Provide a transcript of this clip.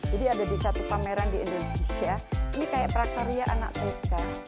jadi ada di satu pameran di indonesia ini kayak prakarya anak trika